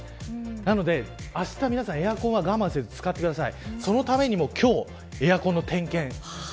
なのであした、皆さんエアコンは我慢せず使ってください。